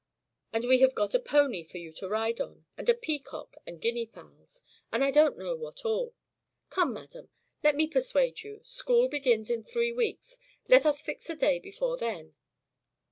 And we have got a pony for you to ride on, and a peacock and guinea fowls, and I don't know what all. Come, madam, let me persuade you. School begins in three weeks. Let us fix a day before then."